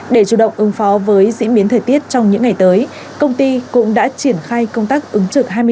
để chủ động ứng phó với diễn biến thời tiết trong những ngày tới công ty cũng đã triển khai công tác ứng chấp